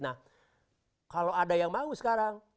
nah kalau ada yang mau sekarang